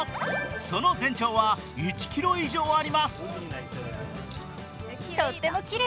その全長は１ｋｍ以上あります。